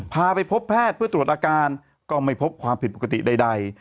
พาไปพบแพทย์เพื่อตรวจอาการก็ไม่พบความผิดปกติใด